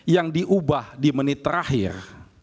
yang diubah di menit terakhir